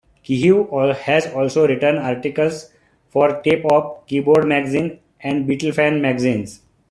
Kehew has also written articles for "Tape Op", "Keyboard Magazine", and "Beatlefan" magazines.